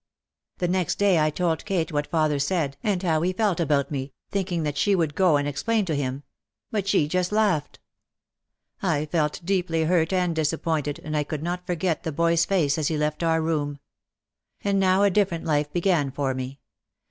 The next day I told Kate what father said and how he 94 OUT OF THE SHADOW felt about me, thinking that she would go and explain to him. But she just laughed. I felt deeply hurt and disappointed, and I could not forget the boy's face as he left our room. And now a different life began for me.